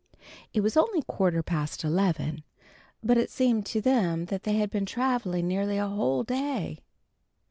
It was only quarter past eleven, but it seemed to them that they had been traveling nearly a whole day.